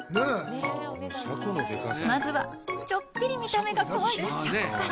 まずは、ちょっぴり見た目が怖いシャコから。